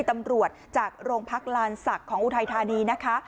ตำรวจจากโรงพักลานศักดิ์ของอุทัยธานีนะคะ